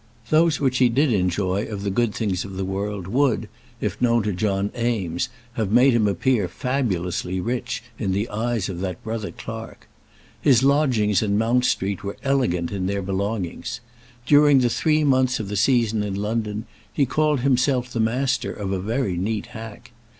Those which he did enjoy of the good things of the world would, if known to John Eames, have made him appear fabulously rich in the eyes of that brother clerk. His lodgings in Mount Street were elegant in their belongings. During three months of the season in London he called himself the master of a very neat hack.